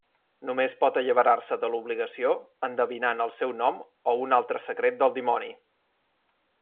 Només pot alliberar-se de l'obligació endevinant el seu nom o un altre secret del dimoni.